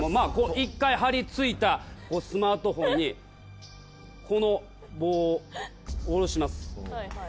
１回張り付いたスマートフォンにこの棒を下ろします。